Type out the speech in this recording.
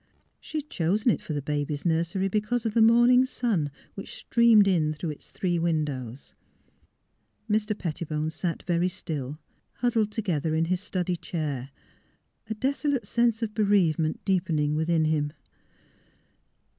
She had chosen it for the baby's nursery because of the morning sun which streamed in through its three windows. Mr. Pet tibone sat very still, huddled together in his study chair, a desolate sense of bereavement deepening within him.